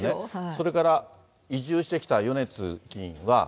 それから、移住してきた米津議員は。